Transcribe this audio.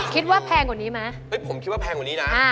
แพงกว่านี้ไหมผมคิดว่าแพงกว่านี้นะ